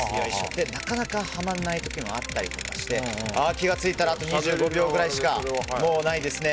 なかなかはまらない時もあったりして気が付いたらあと２５秒くらいしかないですね。